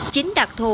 chính đặc thù